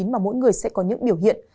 mà mỗi người sẽ có những biểu hiện